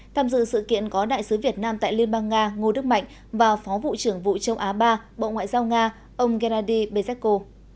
tham dự sự kiện có đại sứ việt nam tại liên bang nga ngô đức mạnh và phó vụ trưởng vụ châu á ba bộ ngoại giao nga ông gennady bezeko